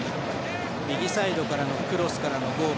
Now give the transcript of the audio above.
右サイドからのクロスのゴール。